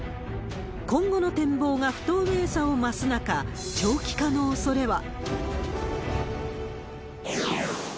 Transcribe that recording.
今後の展望が不透明さを増す中、長期化のおそれは。